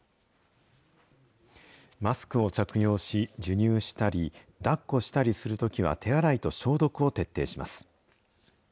マスクを着用し授乳したり、抱っこしたりするときは手洗いと消毒を徹底します。